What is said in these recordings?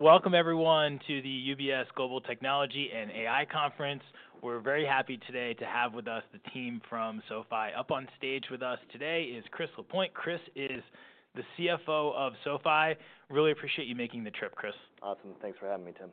Welcome, everyone, to the UBS Global Technology and AI Conference. We're very happy today to have with us the team from SoFi. Up on stage with us today is Chris Lapointe. Chris is the CFO of SoFi. Really appreciate you making the trip, Chris. Awesome. Thanks for having me, Tim.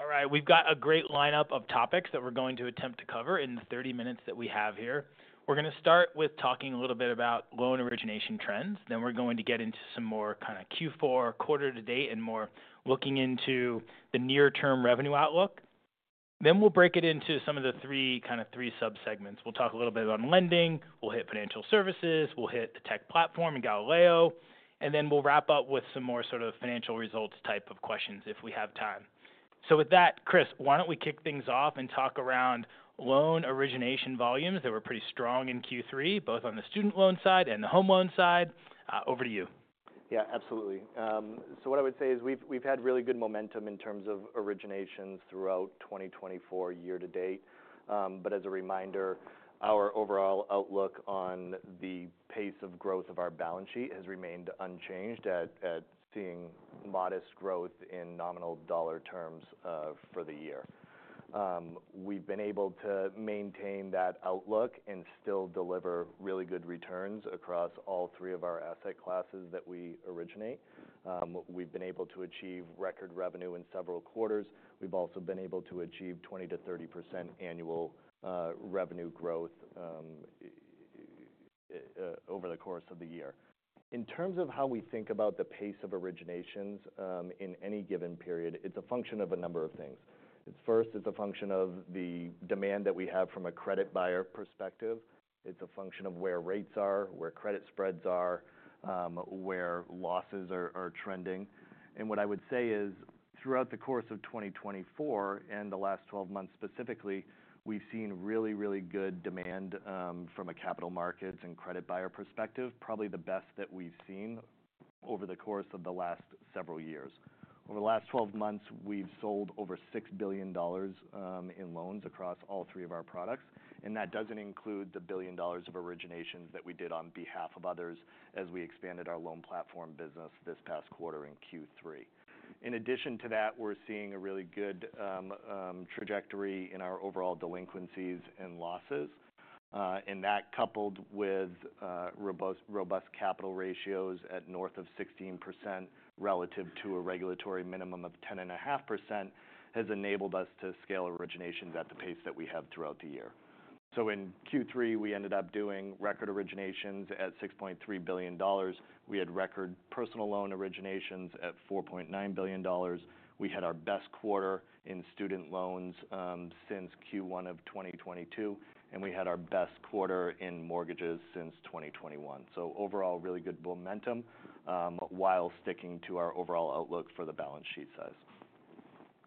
All right. We've got a great lineup of topics that we're going to attempt to cover in the 30 minutes that we have here. We're going to start with talking a little bit about loan origination trends. Then we're going to get into some more kind of Q4 quarter-to-date and more looking into the near-term revenue outlook. Then we'll break it into some of the three kind of subsegments. We'll talk a little bit about lending. We'll hit financial services. We'll hit the tech platform and Galileo. And then we'll wrap up with some more sort of financial results type of questions if we have time. So with that, Chris, why don't we kick things off and talk around loan origination volumes that were pretty strong in Q3, both on the student loan side and the home loan side. Over to you. Yeah, absolutely. So what I would say is we've had really good momentum in terms of originations throughout 2024 year to date. But as a reminder, our overall outlook on the pace of growth of our balance sheet has remained unchanged at seeing modest growth in nominal dollar terms for the year. We've been able to maintain that outlook and still deliver really good returns across all three of our asset classes that we originate. We've been able to achieve record revenue in several quarters. We've also been able to achieve 20%-30% annual revenue growth over the course of the year. In terms of how we think about the pace of originations in any given period, it's a function of a number of things. First, it's a function of the demand that we have from a credit buyer perspective. It's a function of where rates are, where credit spreads are, where losses are trending. And what I would say is throughout the course of 2024 and the last 12 months specifically, we've seen really, really good demand from a capital markets and credit buyer perspective, probably the best that we've seen over the course of the last several years. Over the last 12 months, we've sold over $6 billion in loans across all three of our products. And that doesn't include the $1 billion of originations that we did on behalf of others as we expanded our loan platform business this past quarter in Q3. In addition to that, we're seeing a really good trajectory in our overall delinquencies and losses. That, coupled with robust capital ratios at north of 16% relative to a regulatory minimum of 10.5%, has enabled us to scale originations at the pace that we have throughout the year. In Q3, we ended up doing record originations at $6.3 billion. We had record personal loan originations at $4.9 billion. We had our best quarter in student loans since Q1 of 2022. And we had our best quarter in mortgages since 2021. Overall, really good momentum while sticking to our overall outlook for the balance sheet size.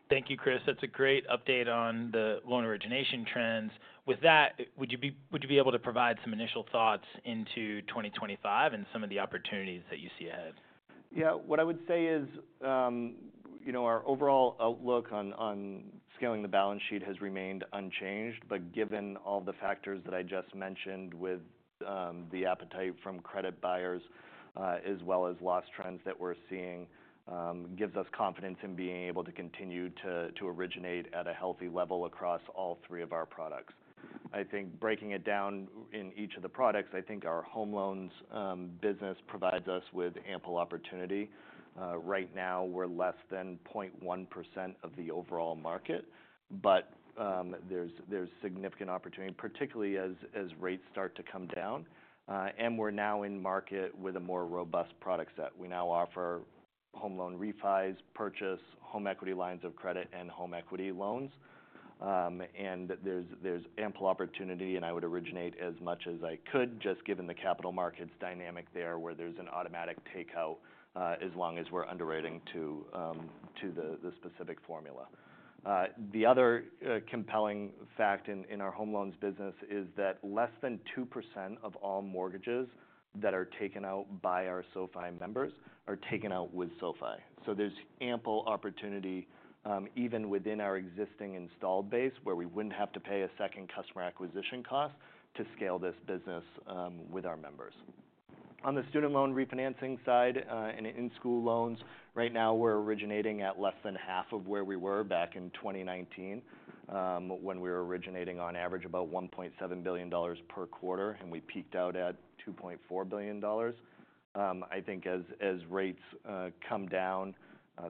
Thank you, Chris. That's a great update on the loan origination trends. With that, would you be able to provide some initial thoughts into 2025 and some of the opportunities that you see ahead? Yeah. What I would say is our overall outlook on scaling the balance sheet has remained unchanged. But given all the factors that I just mentioned with the appetite from credit buyers, as well as loss trends that we're seeing, gives us confidence in being able to continue to originate at a healthy level across all three of our products. I think breaking it down in each of the products, I think our home loans business provides us with ample opportunity. Right now, we're less than 0.1% of the overall market. But there's significant opportunity, particularly as rates start to come down. And we're now in market with a more robust product set. We now offer home loan refis, purchase, home equity lines of credit, and home equity loans. And there's ample opportunity, and I would originate as much as I could, just given the capital markets dynamic there where there's an automatic takeout as long as we're underwriting to the specific formula. The other compelling fact in our home loans business is that less than 2% of all mortgages that are taken out by our SoFi members are taken out with SoFi. So there's ample opportunity, even within our existing installed base, where we wouldn't have to pay a second customer acquisition cost to scale this business with our members. On the student loan refinancing side and in-school loans, right now we're originating at less than half of where we were back in 2019, when we were originating on average about $1.7 billion per quarter, and we peaked out at $2.4 billion. I think as rates come down,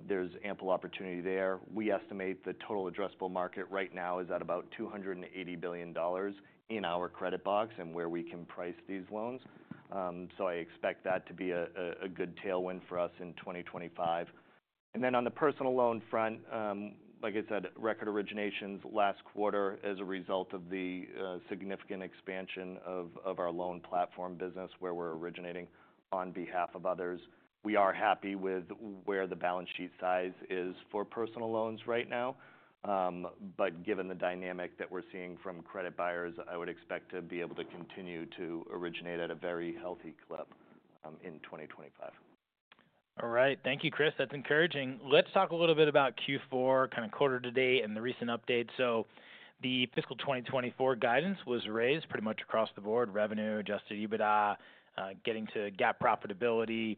there's ample opportunity there. We estimate the total addressable market right now is at about $280 billion in our credit box and where we can price these loans, so I expect that to be a good tailwind for us in 2025. And then on the personal loan front, like I said, record originations last quarter as a result of the significant expansion of our loan platform business where we're originating on behalf of others. We are happy with where the balance sheet size is for personal loans right now, but given the dynamic that we're seeing from credit buyers, I would expect to be able to continue to originate at a very healthy clip in 2025. All right. Thank you, Chris. That's encouraging. Let's talk a little bit about Q4, kind of quarter-to-date and the recent updates. So the fiscal 2024 guidance was raised pretty much across the board: revenue, Adjusted EBITDA, getting to GAAP profitability.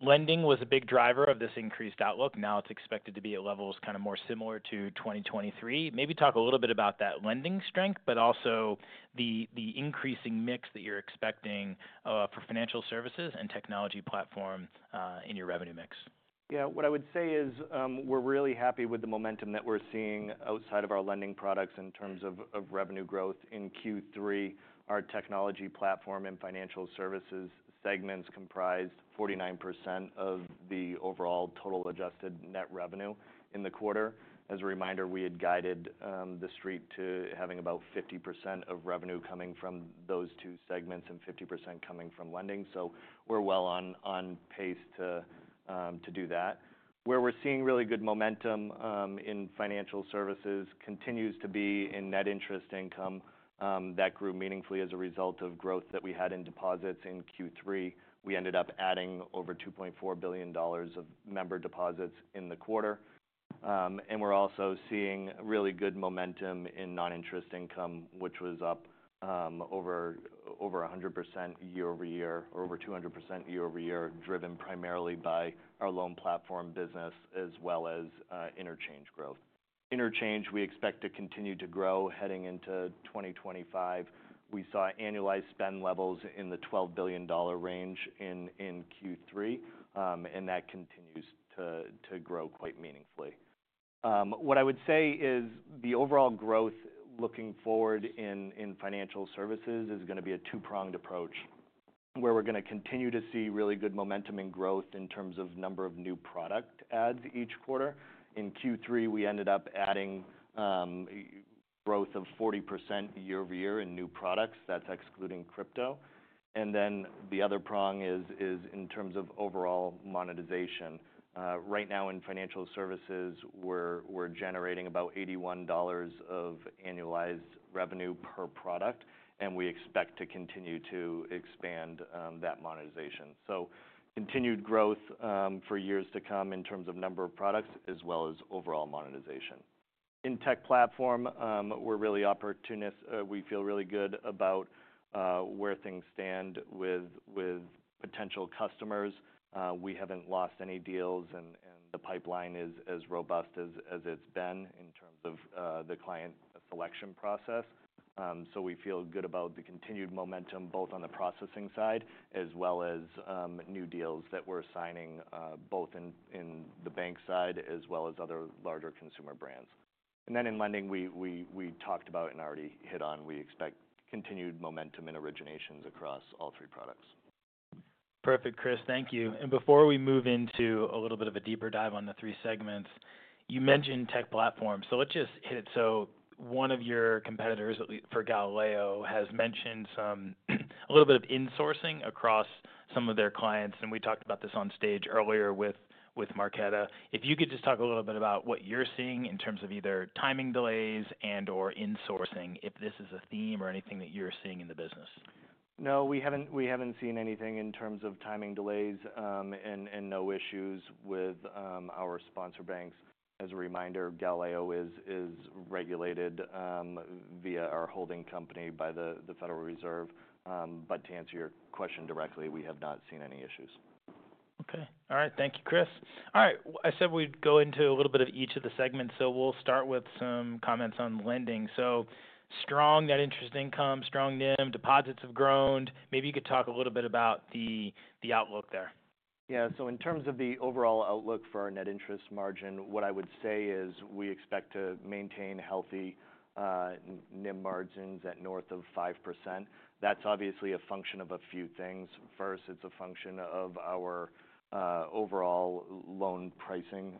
Lending was a big driver of this increased outlook. Now it's expected to be at levels kind of more similar to 2023. Maybe talk a little bit about that lending strength, but also the increasing mix that you're expecting for financial services and technology platform in your revenue mix. Yeah. What I would say is we're really happy with the momentum that we're seeing outside of our lending products in terms of revenue growth in Q3. Our technology platform and financial services segments comprised 49% of the overall total adjusted net revenue in the quarter. As a reminder, we had guided the street to having about 50% of revenue coming from those two segments and 50% coming from lending. So we're well on pace to do that. Where we're seeing really good momentum in financial services continues to be in net interest income that grew meaningfully as a result of growth that we had in deposits in Q3. We ended up adding over $2.4 billion of member deposits in the quarter. We're also seeing really good momentum in non-interest income, which was up over 100% year-over-year, or over 200% year-over-year, driven primarily by our loan platform business as well as interchange growth. Interchange, we expect to continue to grow heading into 2025. We saw annualized spend levels in the $12 billion range in Q3, and that continues to grow quite meaningfully. What I would say is the overall growth looking forward in financial services is going to be a two-pronged approach, where we're going to continue to see really good momentum and growth in terms of number of new product adds each quarter. In Q3, we ended up adding growth of 40% year-over-year in new products. That's excluding crypto. Then the other prong is in terms of overall monetization. Right now in financial services, we're generating about $81 of annualized revenue per product, and we expect to continue to expand that monetization, so continued growth for years to come in terms of number of products, as well as overall monetization. In tech platform, we're really opportunistic. We feel really good about where things stand with potential customers. We haven't lost any deals, and the pipeline is as robust as it's been in terms of the client selection process, so we feel good about the continued momentum, both on the processing side as well as new deals that we're signing, both in the bank side as well as other larger consumer brands, and then in lending, we talked about and already hit on, we expect continued momentum in originations across all three products. Perfect, Chris. Thank you. And before we move into a little bit of a deeper dive on the three segments, you mentioned tech platforms. So let's just hit it. So one of your competitors for Galileo has mentioned a little bit of insourcing across some of their clients. And we talked about this on stage earlier with Marqeta. If you could just talk a little bit about what you're seeing in terms of either timing delays and/or insourcing, if this is a theme or anything that you're seeing in the business. No, we haven't seen anything in terms of timing delays and no issues with our sponsor banks. As a reminder, Galileo is regulated via our holding company by the Federal Reserve. But to answer your question directly, we have not seen any issues. Okay. All right. Thank you, Chris. All right. I said we'd go into a little bit of each of the segments. So we'll start with some comments on lending. So strong net interest income, strong NIM, deposits have grown. Maybe you could talk a little bit about the outlook there. Yeah. So in terms of the overall outlook for our net interest margin, what I would say is we expect to maintain healthy NIM margins at north of 5%. That's obviously a function of a few things. First, it's a function of our overall loan pricing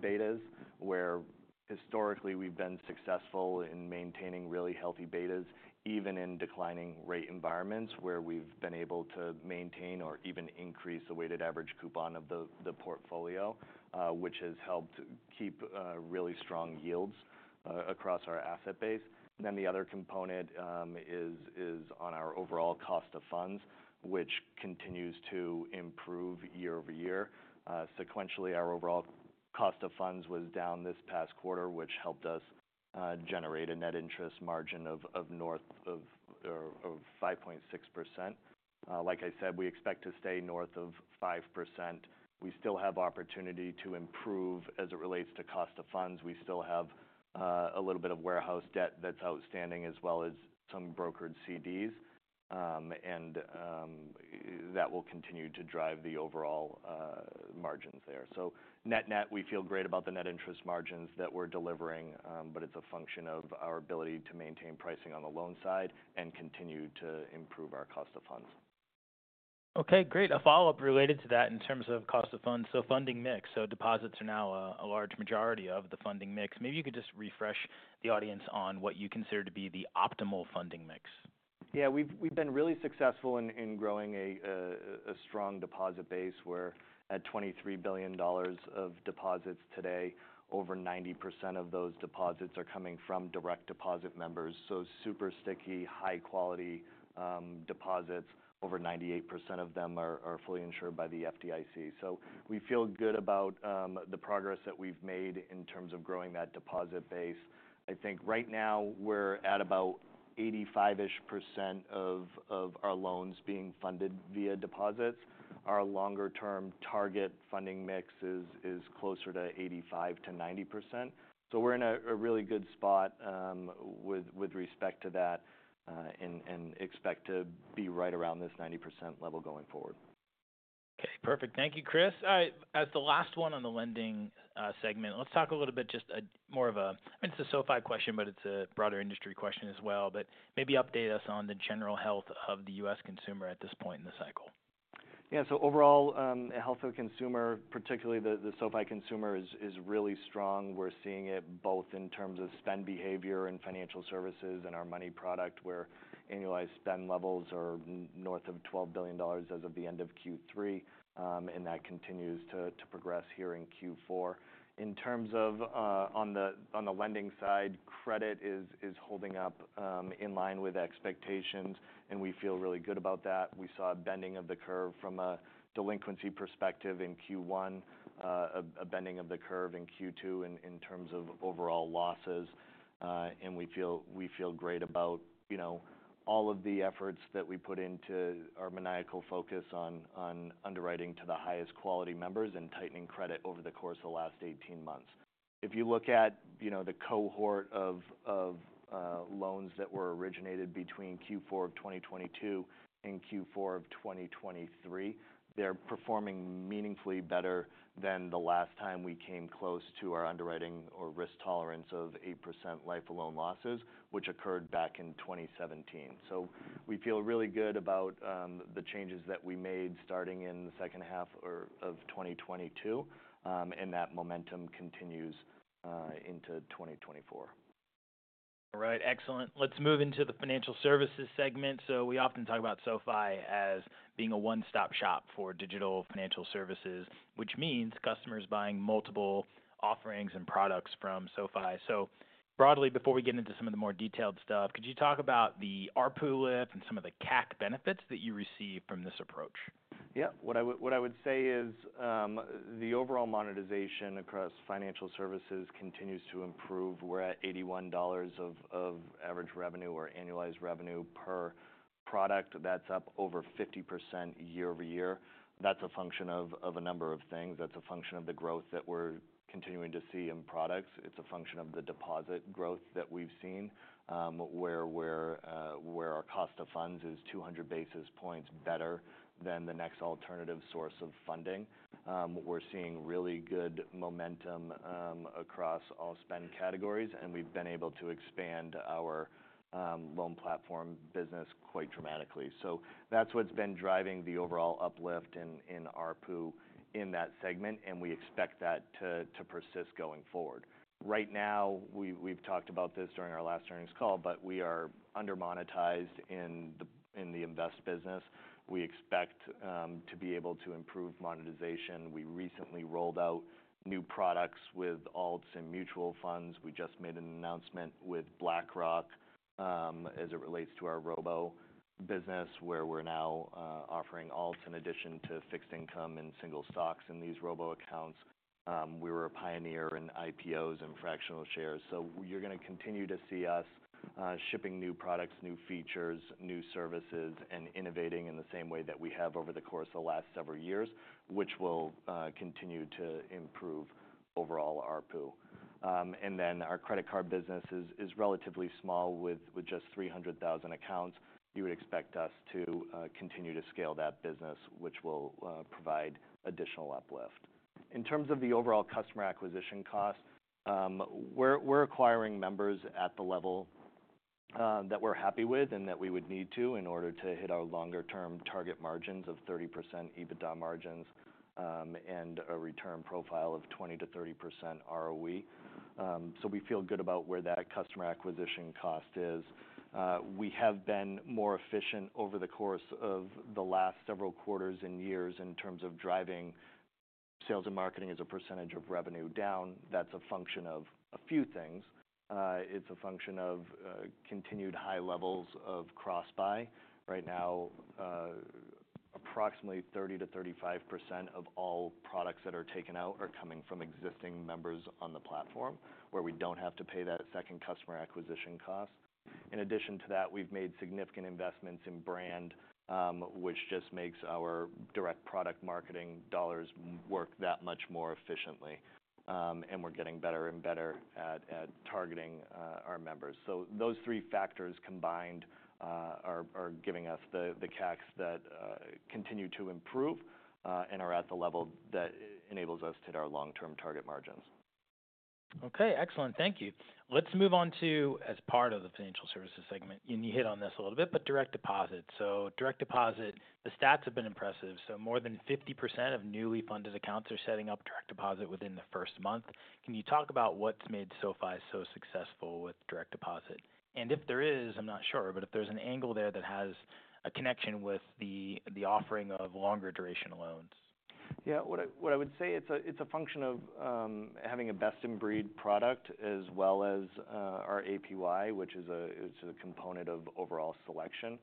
betas, where historically we've been successful in maintaining really healthy betas, even in declining rate environments, where we've been able to maintain or even increase the weighted average coupon of the portfolio, which has helped keep really strong yields across our asset base. Then the other component is on our overall cost of funds, which continues to improve year-over-year. Sequentially, our overall cost of funds was down this past quarter, which helped us generate a net interest margin of north of 5.6%. Like I said, we expect to stay north of 5%. We still have opportunity to improve as it relates to cost of funds. We still have a little bit of warehouse debt that's outstanding, as well as some brokered CDs. And that will continue to drive the overall margins there. So net net, we feel great about the net interest margins that we're delivering. But it's a function of our ability to maintain pricing on the loan side and continue to improve our cost of funds. Okay. Great. A follow-up related to that in terms of cost of funds. So funding mix. So deposits are now a large majority of the funding mix. Maybe you could just refresh the audience on what you consider to be the optimal funding mix? Yeah. We've been really successful in growing a strong deposit base, where at $23 billion of deposits today, over 90% of those deposits are coming from direct deposit members. So super sticky, high-quality deposits. Over 98% of them are fully insured by the FDIC. So we feel good about the progress that we've made in terms of growing that deposit base. I think right now we're at about 85-ish% of our loans being funded via deposits. Our longer-term target funding mix is closer to 85%-90%. So we're in a really good spot with respect to that and expect to be right around this 90% level going forward. Okay. Perfect. Thank you, Chris. All right. As the last one on the lending segment, let's talk a little bit just more of a, I mean, it's a SoFi question, but it's a broader industry question as well. But maybe update us on the general health of the U.S. consumer at this point in the cycle. Yeah, so overall, health of consumer, particularly the SoFi consumer, is really strong. We're seeing it both in terms of spend behavior in financial services and our money product, where annualized spend levels are north of $12 billion as of the end of Q3, and that continues to progress here in Q4. In terms of on the lending side, credit is holding up in line with expectations, and we feel really good about that. We saw a bending of the curve from a delinquency perspective in Q1, a bending of the curve in Q2 in terms of overall losses, and we feel great about all of the efforts that we put into our maniacal focus on underwriting to the highest quality members and tightening credit over the course of the last 18 months. If you look at the cohort of loans that were originated between Q4 of 2022 and Q4 of 2023, they're performing meaningfully better than the last time we came close to our underwriting or risk tolerance of 8% life-to-loan losses, which occurred back in 2017. So we feel really good about the changes that we made starting in the second half of 2022, and that momentum continues into 2024. All right. Excellent. Let's move into the financial services segment. So we often talk about SoFi as being a one-stop shop for digital financial services, which means customers buying multiple offerings and products from SoFi. So broadly, before we get into some of the more detailed stuff, could you talk about the ARPU lift and some of the CAC benefits that you receive from this approach? Yeah. What I would say is the overall monetization across financial services continues to improve. We're at $81 of average revenue or annualized revenue per product. That's up over 50% year-over-year. That's a function of a number of things. That's a function of the growth that we're continuing to see in products. It's a function of the deposit growth that we've seen, where our cost of funds is 200 basis points better than the next alternative source of funding. We're seeing really good momentum across all spend categories, and we've been able to expand our loan platform business quite dramatically. So that's what's been driving the overall uplift in ARPU in that segment, and we expect that to persist going forward. Right now, we've talked about this during our last earnings call, but we are undermonetized in the invest business. We expect to be able to improve monetization. We recently rolled out new products with Alts and mutual funds. We just made an announcement with BlackRock as it relates to our robo business, where we're now offering Alts in addition to fixed income and single stocks in these robo accounts. We were a pioneer in IPOs and fractional shares. So you're going to continue to see us shipping new products, new features, new services, and innovating in the same way that we have over the course of the last several years, which will continue to improve overall ARPU. And then our credit card business is relatively small with just 300,000 accounts. You would expect us to continue to scale that business, which will provide additional uplift. In terms of the overall customer acquisition cost, we're acquiring members at the level that we're happy with and that we would need to in order to hit our longer-term target margins of 30% EBITDA margins and a return profile of 20%-30% ROE. So we feel good about where that customer acquisition cost is. We have been more efficient over the course of the last several quarters and years in terms of driving sales and marketing as a percentage of revenue down. That's a function of a few things. It's a function of continued high levels of cross-buy. Right now, approximately 30%-35% of all products that are taken out are coming from existing members on the platform, where we don't have to pay that second customer acquisition cost. In addition to that, we've made significant investments in brand, which just makes our direct product marketing dollars work that much more efficiently. And we're getting better and better at targeting our members. So those three factors combined are giving us the CACs that continue to improve and are at the level that enables us to hit our long-term target margins. Okay. Excellent. Thank you. Let's move on to, as part of the financial services segment, and you hit on this a little bit, but direct deposit. So direct deposit, the stats have been impressive. So more than 50% of newly funded accounts are setting up direct deposit within the first month. Can you talk about what's made SoFi so successful with direct deposit? And if there is, I'm not sure, but if there's an angle there that has a connection with the offering of longer duration loans? Yeah. What I would say, it's a function of having a best-in-breed product as well as our APY, which is a component of overall selection.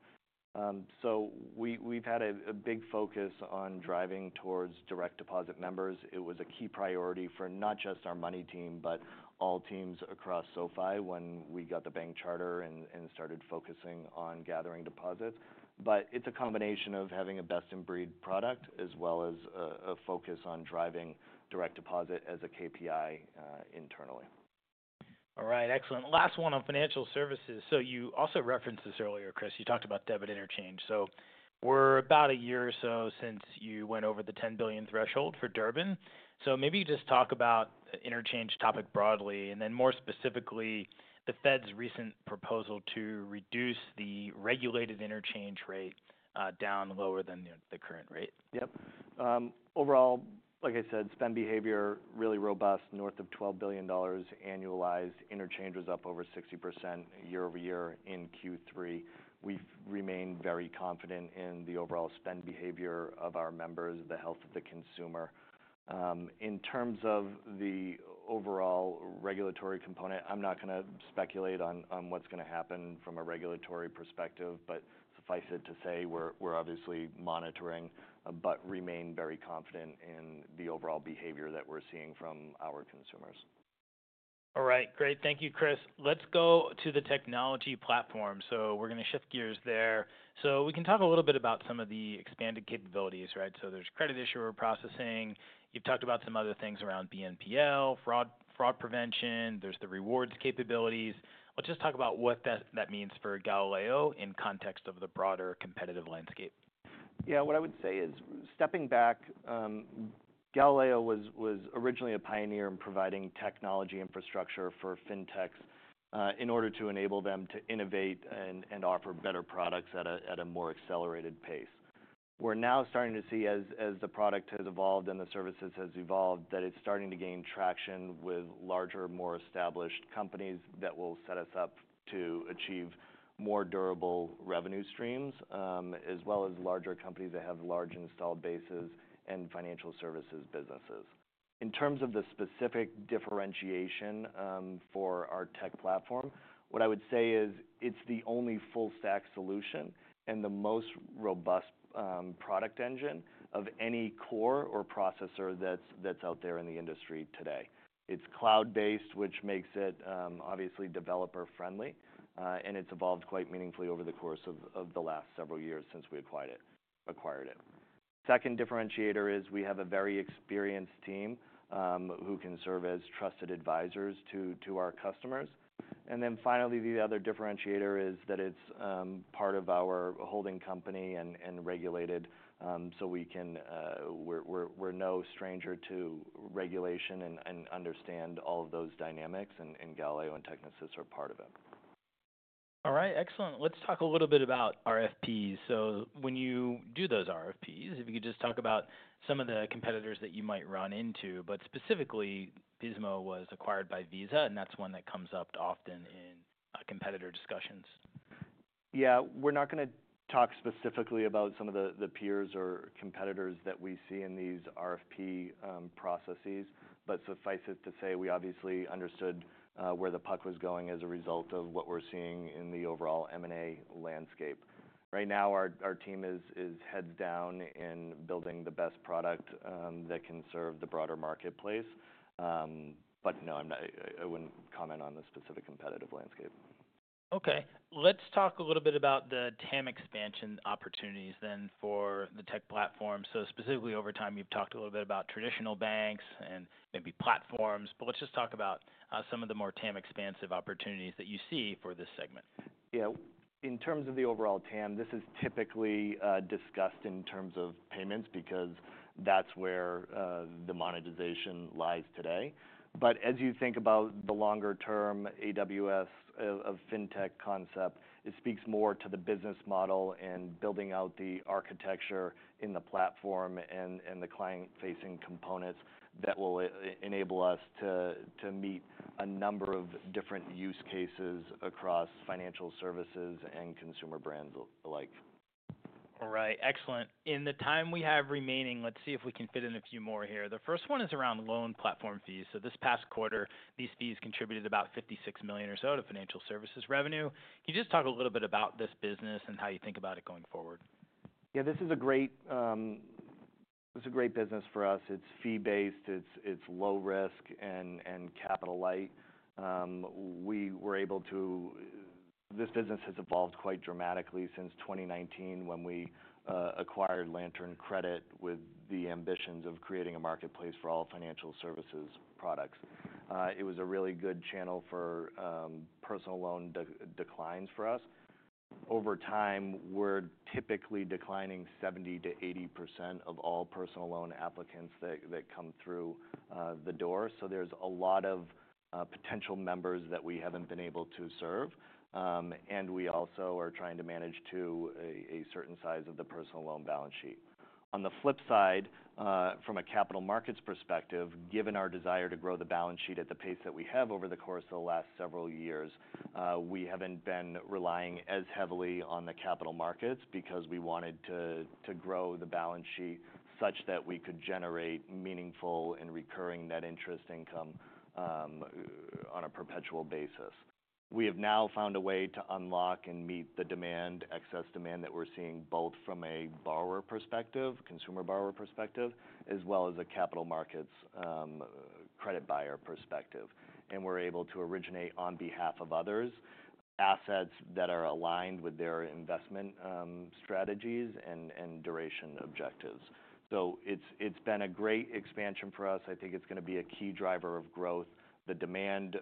So we've had a big focus on driving towards direct deposit members. It was a key priority for not just our money team, but all teams across SoFi when we got the bank charter and started focusing on gathering deposits. But it's a combination of having a best-in-breed product as well as a focus on driving direct deposit as a KPI internally. All right. Excellent. Last one on financial services. So you also referenced this earlier, Chris. You talked about debit interchange. So we're about a year or so since you went over the 10 billion thresholds for Durbin. So maybe you just talk about interchange topic broadly, and then more specifically, the Fed's recent proposal to reduce the regulated interchange rate down lower than the current rate. Yep. Overall, like I said, spend behavior really robust, north of $12 billion annualized. Interchange was up over 60% year-over-year in Q3. We've remained very confident in the overall spend behavior of our members, the health of the consumer. In terms of the overall regulatory component, I'm not going to speculate on what's going to happen from a regulatory perspective, but suffice it to say we're obviously monitoring, but remain very confident in the overall behavior that we're seeing from our consumers. All right. Great. Thank you, Chris. Let's go to the technology platform. So we're going to shift gears there. So we can talk a little bit about some of the expanded capabilities, right? So there's credit issuer processing. You've talked about some other things around BNPL, fraud prevention. There's the rewards capabilities. Let's just talk about what that means for Galileo in context of the broader competitive landscape. Yeah. What I would say is stepping back, Galileo was originally a pioneer in providing technology infrastructure for fintechs in order to enable them to innovate and offer better products at a more accelerated pace. We're now starting to see, as the product has evolved and the services have evolved, that it's starting to gain traction with larger, more established companies that will set us up to achieve more durable revenue streams, as well as larger companies that have large installed bases and financial services businesses. In terms of the specific differentiation for our tech platform, what I would say is it's the only full-stack solution and the most robust product engine of any core or processor that's out there in the industry today. It's cloud-based, which makes it obviously developer-friendly, and it's evolved quite meaningfully over the course of the last several years since we acquired it. Second differentiator is we have a very experienced team who can serve as trusted advisors to our customers. And then finally, the other differentiator is that it's part of our holding company and regulated. So we're no stranger to regulation and understand all of those dynamics, and Galileo and Technisys are part of it. All right. Excellent. Let's talk a little bit about RFPs. So when you do those RFPs, if you could just talk about some of the competitors that you might run into. But specifically, Pismo was acquired by Visa, and that's one that comes up often in competitor discussions. Yeah. We're not going to talk specifically about some of the peers or competitors that we see in these RFP processes, but suffice it to say we obviously understood where the puck was going as a result of what we're seeing in the overall M&A landscape. Right now, our team is heads down in building the best product that can serve the broader marketplace. But no, I wouldn't comment on the specific competitive landscape. Okay. Let's talk a little bit about the TAM expansion opportunities then for the tech platform. So specifically, over time, you've talked a little bit about traditional banks and maybe platforms, but let's just talk about some of the more TAM-expansive opportunities that you see for this segment. Yeah. In terms of the overall TAM, this is typically discussed in terms of payments because that's where the monetization lies today. But as you think about the longer-term AWS of fintech concept, it speaks more to the business model and building out the architecture in the platform and the client-facing components that will enable us to meet a number of different use cases across financial services and consumer brands alike. All right. Excellent. In the time we have remaining, let's see if we can fit in a few more here. The first one is around loan platform fees. So this past quarter, these fees contributed about $56 million or so to financial services revenue. Can you just talk a little bit about this business and how you think about it going forward? Yeah. This is a great business for us. It's fee-based. It's low risk and capital-light. This business has evolved quite dramatically since 2019 when we acquired Lantern Credit with the ambitions of creating a marketplace for all financial services products. It was a really good channel for personal loan declines for us. Over time, we're typically declining 70%-80% of all personal loan applicants that come through the door. So there's a lot of potential members that we haven't been able to serve, and we also are trying to manage to a certain size of the personal loan balance sheet. On the flip side, from a capital markets perspective, given our desire to grow the balance sheet at the pace that we have over the course of the last several years, we haven't been relying as heavily on the capital markets because we wanted to grow the balance sheet such that we could generate meaningful and recurring net interest income on a perpetual basis. We have now found a way to unlock and meet the demand, excess demand that we're seeing both from a borrower perspective, consumer borrower perspective, as well as a capital markets credit buyer perspective, and we're able to originate on behalf of others assets that are aligned with their investment strategies and duration objectives, so it's been a great expansion for us. I think it's going to be a key driver of growth. The demand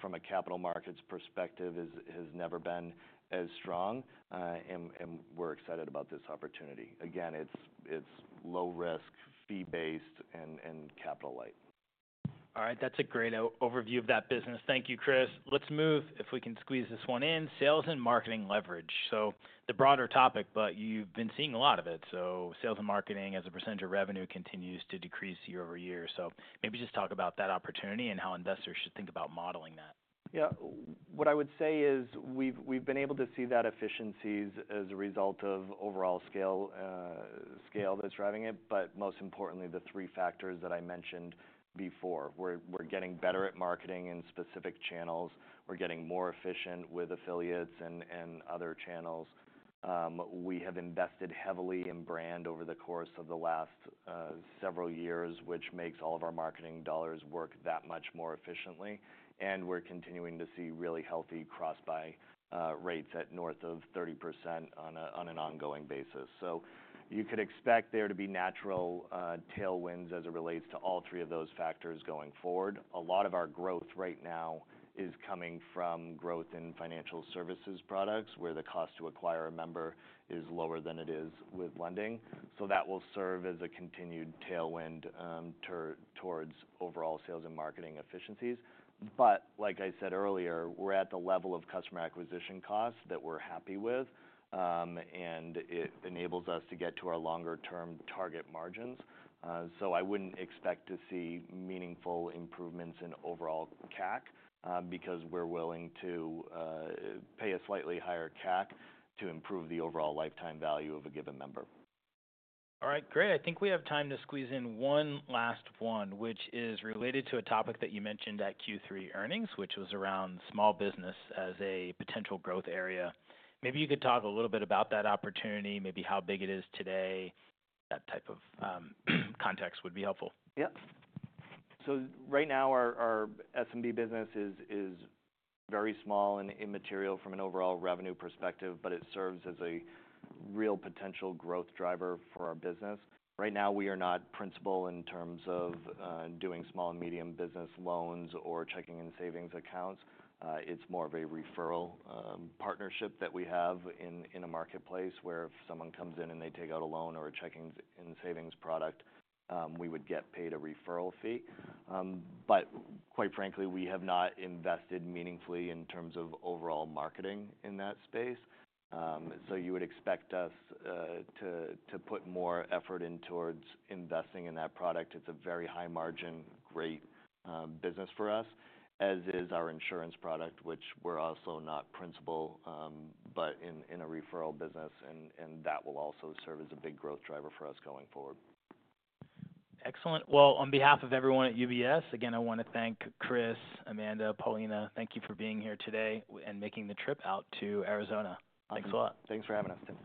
from a capital markets perspective has never been as strong, and we're excited about this opportunity. Again, it's low risk, fee-based, and capital-light. All right. That's a great overview of that business. Thank you, Chris. Let's move, if we can squeeze this one in, sales and marketing leverage. So it's a broader topic, but you've been seeing a lot of it. So sales and marketing as a percentage of revenue continues to decrease year-over-year. So maybe just talk about that opportunity and how investors should think about modeling that. Yeah. What I would say is we've been able to see that efficiencies as a result of overall scale that's driving it, but most importantly, the three factors that I mentioned before. We're getting better at marketing in specific channels. We're getting more efficient with affiliates and other channels. We have invested heavily in brand over the course of the last several years, which makes all of our marketing dollars work that much more efficiently. And we're continuing to see really healthy cross-buy rates at north of 30% on an ongoing basis. So you could expect there to be natural tailwinds as it relates to all three of those factors going forward. A lot of our growth right now is coming from growth in financial services products where the cost to acquire a member is lower than it is with lending. So that will serve as a continued tailwind towards overall sales and marketing efficiencies. But like I said earlier, we're at the level of customer acquisition cost that we're happy with, and it enables us to get to our longer-term target margins. So I wouldn't expect to see meaningful improvements in overall CAC because we're willing to pay a slightly higher CAC to improve the overall lifetime value of a given member. All right. Great. I think we have time to squeeze in one last one, which is related to a topic that you mentioned at Q3 earnings, which was around small business as a potential growth area. Maybe you could talk a little bit about that opportunity, maybe how big it is today. That type of context would be helpful. Yep, so right now, our SMB business is very small and immaterial from an overall revenue perspective, but it serves as a real potential growth driver for our business. Right now, we are not principal in terms of doing small and medium business loans or checking and savings accounts. It's more of a referral partnership that we have in a marketplace where if someone comes in and they take out a loan or a checking and savings product, we would get paid a referral fee. But quite frankly, we have not invested meaningfully in terms of overall marketing in that space, so you would expect us to put more effort in towards investing in that product. It's a very high-margin, great business for us, as is our insurance product, which we're also not principal, but in a referral business, and that will also serve as a big growth driver for us going forward. Excellent. Well, on behalf of everyone at UBS, again, I want to thank Chris, Amanda, Paulina. Thank you for being here today and making the trip out to Arizona. Thanks a lot. Thanks for having us, Tim.